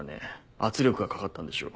圧力がかかったんでしょう。